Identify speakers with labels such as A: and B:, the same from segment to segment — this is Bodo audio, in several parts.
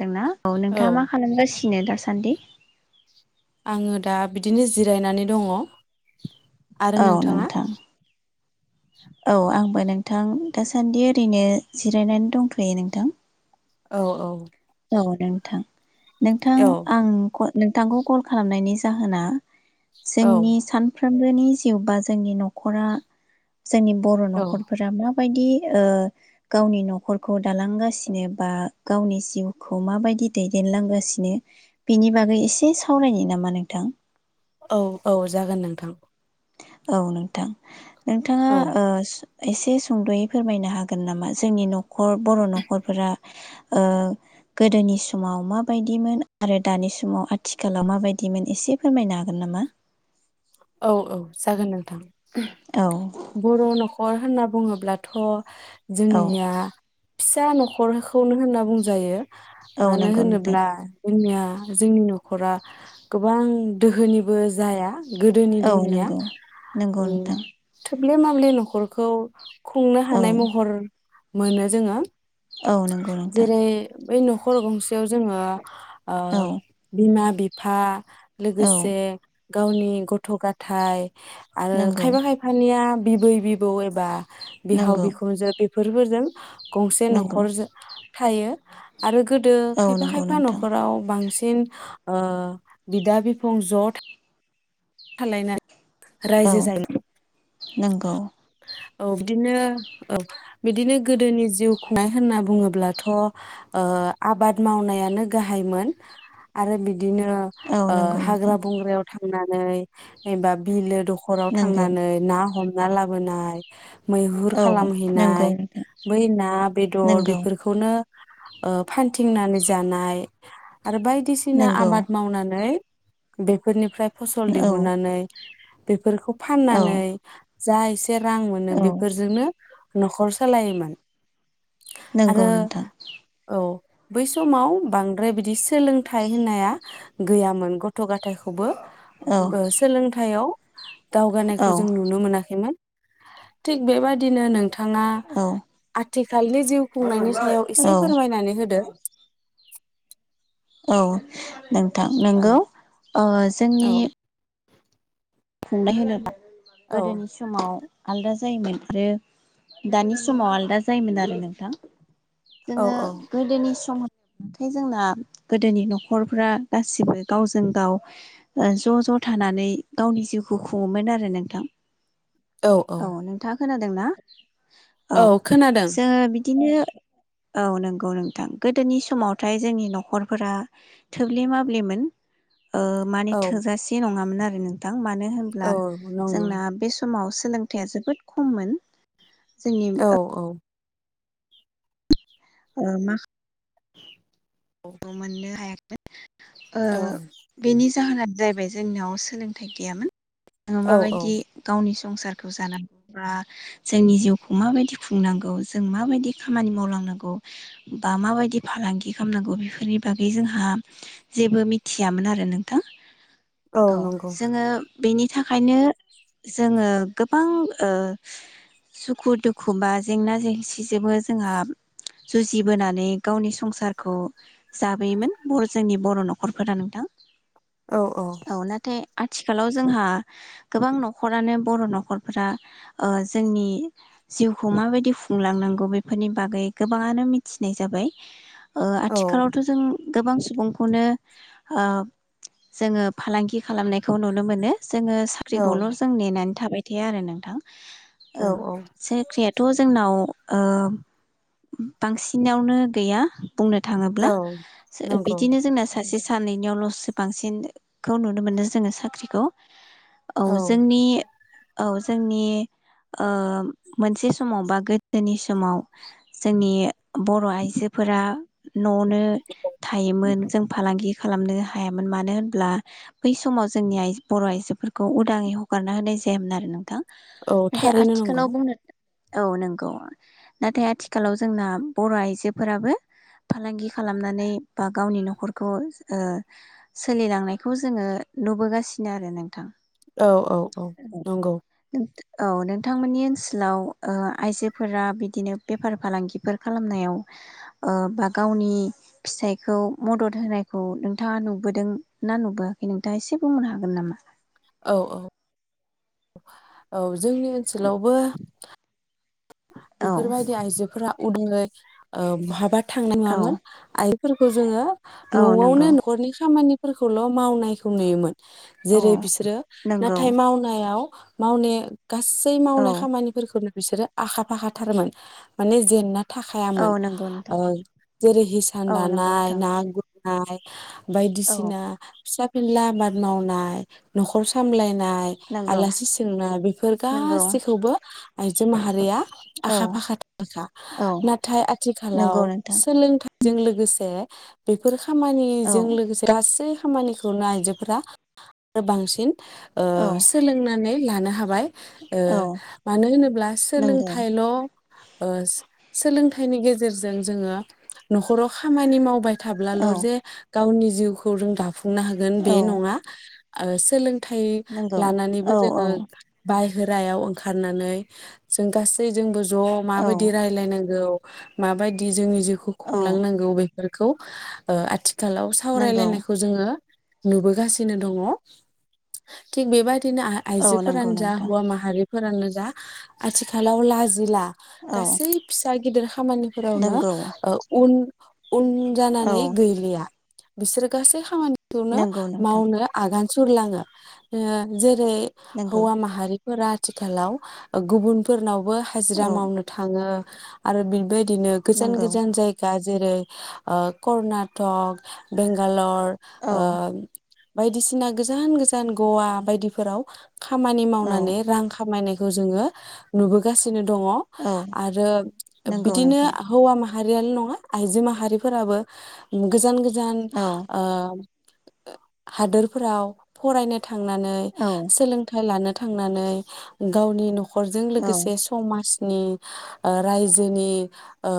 A: दोंना औ नोंथाङा मा खालामगासिनो दासा सान्दि
B: आङो दा बिदिनो जिरायनानै दङ। आरो
A: औ
B: नोंथाङा?
A: नोंथां औ आंबो नोंथां दासान्दि ओरैनो जिरायनानै दंथ'यो नोंथां।
B: औ औ
A: औ नोंथां नोंथां
B: औ
A: आं ख नोंथांखौ कल खालामनायनि जाहोना
B: औ
A: जोंनि सानफ्रोम बोनि जिउ बा जोंनि न'खरा जोंनि बर'
B: औ
A: न'खरफोरा मा बायदि ओ गावनि न'खरखौ दालांगासिनो बा गावनि जिउ खौ माबायदि दैदेनलांगासिनो बेनि बागै एसे सावरायनो नामा नोंथां
B: औ औ जागोन नोंथां
A: औ नोंथां नोंथाङा
B: औ
A: ओ एसे सुंद'यै फोरमायनो हागोन नामा जोंनि न'खर बर' न'खरफोरा ओ गोदोनि समाव माबायदिमोन आरो दानि समाव आथिखालाव माबायदिमोन एसे फोरमायनो हागोन नामा
B: औ औ जागोन नोंथां
A: औ
B: बर' न'खर होनना बुङोब्लाथ'
A: औ
B: जोंनिया फिसा न'खरखौनो होनना बुंजायो
A: औ
B: मानो
A: नंगौ नोंथां
B: होनोब्ला जोंनिया जोंनि न'खरा गोबां दोहोनिबो जाया गोदोनि
A: औ
B: दिननिया
A: नंगौ नंगौ
B: उम
A: नोंथां
B: थोब्ले माब्ले न'खरखौ खुंनो
A: औ
B: हानाय महर मोनो जोङो
A: औ नोंगौ नोंथां
B: जेरै बै न'खर गंसेयाव जोङो ओ
A: औ
B: बिमा बिफा
A: औ
B: लोगोसे गावनि गथ' गाथ थाइ आरो
A: नंगौ
B: खायफा खायफानिया बिबै बिबौ एब बा बिहाव
A: नंगौ
B: बिखुमजो बे फोरफोरजों गंसे नख
A: नंगौ
B: हरजो थायो। आरो गोदो
A: औ
B: खायफा
A: नंगौ
B: खायफा
A: नोंथां
B: न'खराव बांसि सिन ओ बिदा बिफं ज' था थालायनाय
A: औ नोंगौ।
B: औ बिदिनो औ बिदिनो गोदोनि जिउ खुंनाय होनना बुङोब्लाथ' ओ आबाद मावनायानो गाहायमोन आरो बि बिदिनो
A: औ
B: ओ
A: नंगौ नोंथां
B: हाग्रा बंग्रायाव थांना नै एबा बिलो दख'राव
A: नंगौ
B: थांनानै ना हम ना लाबोनाय। मैहुर
A: औ नंगौ
B: खालामहैनाय
A: नोंथां
B: बै ना बेदर
A: नंगौ
B: बेफोरखौनो ओ फानथिंनानै जानाय। आरो बायदिसिना
A: नंगौ
B: आबाद मावनानै बेफोरनिफ्राय फसल
A: औ
B: दिहुननानै बे फोरखौ
A: औ
B: फाननानै जा ए से रां मोनो
A: औ
B: बेफोरजोंनो न'खर सालायोमोन।
A: नंगौ
B: आरो
A: नोंथां
B: औ बै समाव बांद्राय बिदि सो सोलोंथाइ होननाया गैयामोन। गथ' गाथायाइखौबो
A: औ
B: ओ सोलों थायाव
A: औ
B: दावगानायखौ जों नुनो मोनाखैमोन। थिग बेबादिनो नोंथाङा
A: औ
B: आथिखालनि जिउ खुंनायनि सायाव
A: औ
B: एसे फोरमायनानै होदो।
A: औ नोंथां
B: औ
A: नोंगौ ओ जोंनि
B: औ
A: [unintelligible]
B: औ
A: गोदोनि समाव आलदा जायोमोन आरो दानि समाव आलदा जायोमोन आरो नोंथां।
B: औ
A: जोङो गोदोनि स [unintelligible] थाय जोंना गोदोनि न'खरफ्रा गासिबो गावजों गाव ओ ज' ज' थानानै गावनि जिउखौ खुङोमोन आरो नोंथां। औ नोंथां खोनादों ना? औ जोङो बिद दिनो औ नंगौ नोंथां गोदोनि समावथाय जोंनि न'खरफोरा थोब्ले माब्लेमोन। ओ माने
B: औ
A: थोजासे नङामोन आर होनो थां मानो
B: औ
A: होमब्ला
B: नंगौ
A: जोंना बे समाव सोलोंथाइया जोबोद खममोन। जोंनि
B: औ औ
A: ओ मा गौ मोननो हाया ओ
B: औ
A: बेनि जाहोना जाहैबाय जोंनियाव सोलोंथाइ गैयामोन। ओ मा
B: औ औ
A: बायदि गावनि संसारखौ जानांगौ बा जोंनि जिउखौ माबायदि खुंनांगौ जों माबायदि खामानि मावलांनांगौ बा माबायदि फालांगि खालामनांगौ बे फोरनि बागै जोंहा जेबो मिथियामोन आरो नोंथां। औ जोङो बेनि थाखायनो जोङो गोबां ओ सुखु दुखु बा जेंना जेंसिजोंबो जोंहा जुजिबोनानै गावनि संसारखौ जाबोयोमोन बर' जोंनि बर' न'खरफोरा नोंथां।
B: औ औ
A: आथिखालाव जोंहा गोबां न'खरानो बर' न'खरफोरा ओ जोंनि जिउखौ माबायदि खुंलांनांगौ बेफोरनि बागै गोबाङानो मिथिनाय जाबाय। ओ
B: औ
A: खाङावथ' जों गोबां सुबुंखौनो ओ जोङो फालांगि खालामनायखौ नुनो मोनो। जोङो साख्रिखौल' जों नेनानै थाबाय थाया आरो नोंथां।
B: औ
A: ओं साख्रियाथ' जोंनाव ओ बांसिनावनो गैया बुंनो थाङोब्ला
B: औ
A: सो
B: नंगौ
A: बिदिनो जोंना सासे सानैनियाव ल'सो बांसिनखौ नुनो मोनो जोङो साख्रिखौ। औ जोंनि औ जोंनि ओ मोनसे समाव बा गोदोनि समाव जोंनि बर' आइजोफोरा न'आवनो थायोमोन जों फालांगि खालामनो हायामोन मानो होनब्ला बै समाव जोंनि आइ बर' आइजोफोरखौ उदाङै हगारना होनाय जायामोन आरो नोंथां
B: औ
A: नाथाय
B: थारैनो नंगौ।
A: आथिखालाव बुंनो औ नंगौ नाथाय आथिखालाव जोंना बर' आइजोफोराबो फालांगि खालामनानै बा गावनि न'खरखौ ओ सोलिलांनायखौ जोङो नुबोगासिनो आरो नोंथां
B: औ औ औ नंगौ
A: औ नोंथांमोननि ओनसोलाव ओ आइजोफोरा बिदिनो बेफार फालांगिफोर खालामनायाव ओ बा गावनि फिसाइखौ मदद होनायखौ नोंथाङा नुबोदों ना नुबोआखै नोंथाङा एसे बुंनो हागोन नामा?
B: औ औ औ जोंनि ओनसोलावबो
A: औ
B: बेफोरबायदि आइजोफोरा उदुङै ओ बहाबा थांनाय
A: औ
B: नङामोन आय फोरखौ जोङो।
A: औ
B: न'आवनो
A: नंगौ
B: न'खरनि खामानि। फोरखौल' मावनायखौ नुयोमोन।
A: औ
B: जेरै- बिसोरो
A: नंगौ
B: नाथाय मावनायाव। मावने गासै
A: औ
B: मावनाय खामानिफोरखौनो बिसोरो आखा फाखाथारमोन माने जेनना
A: औ
B: थाखायामोन
A: नंगौ
B: ओ
A: नोंथां
B: जेरै- हिसान
A: औ नंगौ
B: दानाय
A: नोंथां
B: ना गुर नाय
A: औ
B: बायदिसिना फिसा फिनला आबाद मावनाय न'खर सामलायनाय
A: नंगौ
B: आलासि सोंनाय बेफोर
A: नंगौ
B: गासैखौबो आइजो मा हारिया
A: औ
B: आखा फाखा थाखा
A: औ
B: नाथाय
A: नंगौ
B: आथिखालाव
A: नोंथां
B: सोलोंथाइ जों लोगोसे बेफोर
A: औ
B: खामानिजों लोगोसे गासै खामानिखौनो आइजोफोरा आरो बांसिन ओ
A: औ
B: सोलोंनानै ला नो हाबाय। ओ
A: औ
B: मानो होनोब्ला सो
A: नंगौ
B: सोलोंथाइल' ओ सोलोंथाइनि गेजेरजों जोङो नखराव खामानि मावबाय थाब्लाल'
A: औ
B: जे गावनि जिउखौ रों दाफुं नो हागोन बे
A: औ
B: नङा। ओ सोलों थाइ
A: नंगौ
B: लानानैबो
A: औ
B: जोङो
A: औ
B: बाय हेरायाव ओंखारनानै जों गासैजोंबो ज'
A: औ
B: माबायदि रायलायनांगौ माबायदि जोंनि जिउखौ
A: औ
B: खुंलांनांगौ बे फोरखौ ओ आथि खालाव
A: नंगौ
B: सावरायलायनायखौ जोङो नुबोगासिनो दङ।' थिग बेबा दिनो आहा
A: औ नंगौ
B: आइजोफोरानो जा
A: नोंथां
B: हौवा माहारि फोरानो जा आथिखालाव लाजिला।
A: औ
B: गासै फिस था गिदिर खामानिफोरावनो
A: नंगौ
B: ओ उन उन
A: औ
B: जानानै गैलिया। बिसोरो गासै खामानि खौनो
A: नंगौ नोंथां
B: मावनो आगान सुरलाङो। ओ जे रै
A: नंगौ
B: हौवा माहारि फोरा आथिखालाव गुबुनफोरनावबो हाजिरा
A: औ
B: मावनो थाङो आरो बिबाय दिनो गोजान
A: नंगौ
B: गोजान जायगा जेरै ओ कर्नाटक, बेंगालर,
A: औ
B: ओ बायदिसिना गोजान गोजान गवा बायदिफोराव खामानि
A: औ
B: मावनानै रां खामायनाय खौ जोङो नुबोगासिनो बिदिनो दङ
A: औ
B: आरो
A: नंगौ
B: बिदिनो
A: नोंथां
B: हौवा मा- आरो नङा आइजो माहारिफोराबो गोजान गोजा- गोजान
A: औ
B: ओ हादोरफोराव फरायनो थांनानै
A: औ
B: सोलोंथाइ लानो थांनानै गावनि न'खर न'खरजों
A: औ
B: लोगोसे समाज नि ओ रायजोनि ओ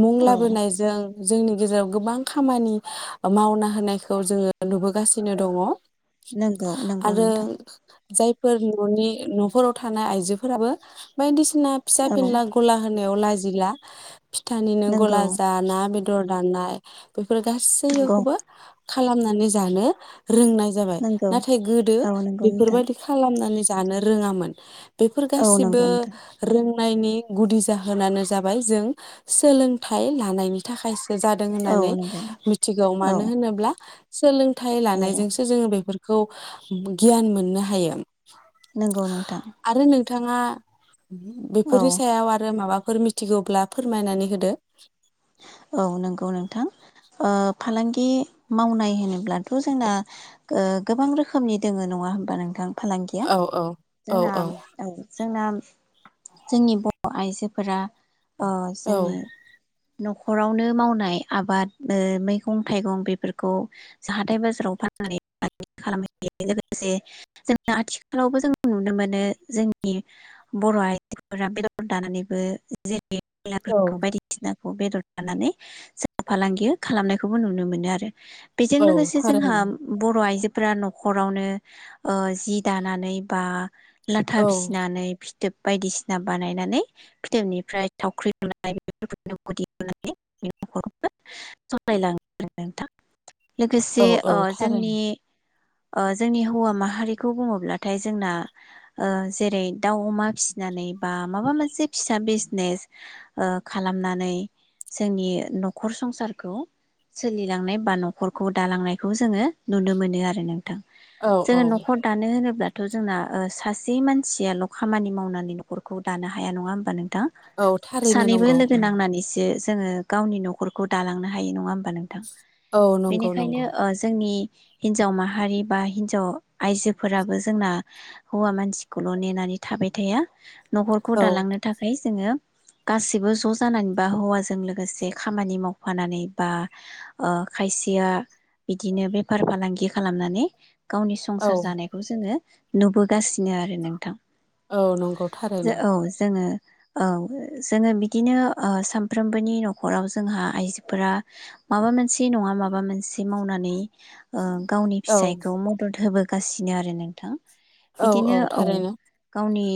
B: मुं
A: औ
B: लाबोनायजों जोंनि गेजेराव गोबां खामानि मावना होनायखौ जोङो नुबोगासिनो दङ।
A: नोंगौ नोंगौ
B: आरो
A: नोंथां
B: जायफोर न'नि न'फोराव थानाय आइजो फोराबो बायदि सिना फिसा
A: औ
B: फेनला गला होनायव लाजिला फिथानिनो
A: नंगौ
B: गला जा ना बे दर दाननाय बेफोर
A: नंगौ
B: गासैखौबो खालामनानै जानो रोंनाय जाबाय
A: नंगौ
B: नाथाय गोदो
A: औ नंगौ नोंथां
B: बेफोरबायदि खालामनानै जानो रोङामोन बेफोर
A: औ
B: गासिबो
A: नंगौ नोंथां
B: रों नाइनि गुदि जाहोनानो जाबाय जों सोलोंथाइ लानायनि थाखाय जादों
A: औ
B: होननानै
A: नंगौ
B: मिथिगौ
A: औ
B: मानो होनोब्ला सोलों- थाइ
A: औ
B: लानायजोंसो जोङो बेफोर खौ गियान मोननो हायो
A: नंगौ नोंथां
B: आरो नोंथाङा
A: औ
B: बेफोरनि सायाव आरो माबा- फोर मिथिगौब्ला फोरमायनानै होदो
A: औ नोंगौ नोंथां ओ फालांगि मावनाय होनोब्लाथ' जोंना ओ गोबां रोखोमनि दोङो नङा होमबा नोंथां। फालांगिया
B: औ औ
A: जोंना औ जोंना जोंनि बर' आइजोफोरा अ
B: औ
A: जोंनि न'खरावनो मावनाय आबाद ओ मैगं थाइगं बेफोरखौ जाहाथे बाजाराव फाननानै [inaudible] खालाम हैयो लोगोसे जों आथिखालावबो जों नुनो मोनो जोंनि बर' आइजोफोरा बेदर दाननानैबो जि
B: औ
A: [unintelligible] बेदर दाननानै जों फालांगि खालामनायखौबो नुनो मोनो आरो। बेजों
B: औ
A: लोगोसे जोंहा
B: थारैनो
A: बर' आइजो फ्रा न'खरावनो ओ जि दानानै बा लाथा
B: औ
A: फिसिनानै फिथोब बायदिसिना बानायनानै फिथोबनिफ्राय थावख्रि लुनाय बेफोरखौ [inaudible] [unintelligible] लोगोसे
B: औ औ
A: अ जोंनि
B: थारैनो
A: जोंनि हौवा माहारिखौ बुङोब्लाथाय जोंना जेरै दाउ अमा फिसिनानै बा माबा मोनसे फिसा बिजिनेस खालामनानै जोंनि न'खर संसारखौ सोलिलांनाय बा न'खरखौ दालांनायखौ जोङो नुनो मोनो आरो नोंथां।
B: औ
A: जोङो
B: औ
A: न'खर दानो होनोब्ला थ' जोंना सासे मानसियाल' खामानि मावनानै न'खरखौ दानो हाया नङा होमबा नों थां
B: औ थारैनो
A: सानैबो
B: नंगौ
A: लो गो नांनानैसो जोङो गावनि न'खरखौ दालांनो हायो नङा होमबा नोंथां।
B: औ नंगौ नंगौ
A: बेनिखायनो जोंनि हिन्जाव माहारि बा हिन्जाव आयजोफोराबो जोंना हौवा मानसिखौल' नेनानै थाबाय थाया। न'खरखौ
B: औ
A: दालांनो थाखाय जोङो गासिबो ज जानानै बा हौवाजों लोगोसे खामानि मावफानानै बा खायसेया बिदिनो बेफार फालांगि खालामनानै गावनि
B: औ
A: संसार जानायखौ जोङो नुबोगासिनो आरो नोंथां।
B: औ नंगौ थारैनो
A: औ जोङो औ जोङो बिदिनो सानफ्रोमबोनि न'खराव जोंहा आइजोफोरा माबा मोनसे नङा माबा मोनसे मावनानै गावनि
B: औ
A: फिसायखौ मदद होबो गासिनो आरो नोंथां
B: औ
A: बिदिनो औ
B: थारैनो
A: गावनि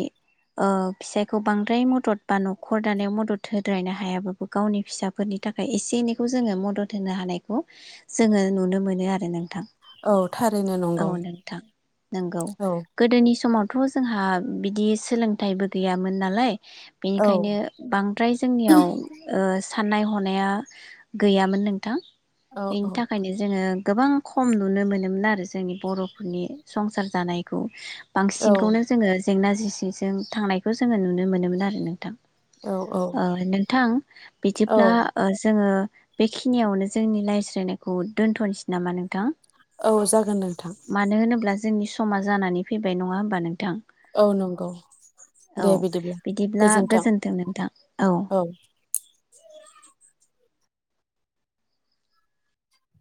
A: ओ फिसायखौ बांद्राय मदद बा न'खर दानायाव मदद थोद्रायनो हायाबाबो गावनि फिसाफोरनि थाखाय एसे एनैखौ जोङो मदद होनो हानायखौ जोङो नुनो मोनो आरो नोंथां।
B: औ थारैनो
A: औ
B: नंगौ
A: नोंथां नंगौ
B: औ
A: गोदोनि समाव थ' जोंहा बिदि सोलोंथाइबो गैयामोन नालाय
B: औ
A: बेनिखायनो बां नियाव ओ साननाय हनाया गैयामोन नोंथां।
B: औ
A: बेनि थाखायनो जोङो गोबां खम नुनो मोनोमोन आरो जोंनि बर'फोरनि संसार जानायखौ।
B: औ
A: बांसिनखौनो जोङो जेंना जोंसिजों थांनायखौ जोङो नुनो मोनोमोन आरो नोंथां।
B: औ
A: ओ नोंथां
B: औ
A: बिदिब्ला ओ जोङो बेखिनियावनो जोंनि लायज्रायनायखौ दोन्थ'नोसै नामा नोंथां?
B: औ जागोन नोंथां।
A: मानो होनोब्ला जोंनि समा जानानै फैबाय नङा होमबा नोंथां?
B: औ नंगौ
A: औ
B: दे बिदिब्ला गोजोन्थों। औ